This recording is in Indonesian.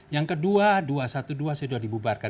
yang kedua dua ratus dua belas sudah dibubarkan